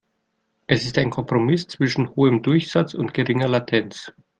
Es ist ein Kompromiss zwischen hohem Durchsatz und geringer Latenz.